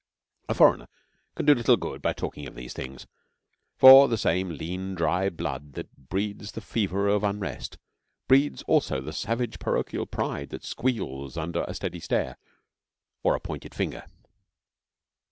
A foreigner can do little good by talking of these things; for the same lean dry blood that breeds the fever of unrest breeds also the savage parochial pride that squeals under a steady stare or a pointed finger.